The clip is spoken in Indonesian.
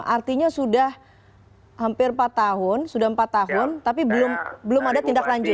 artinya sudah hampir empat tahun sudah empat tahun tapi belum ada tindak lanjut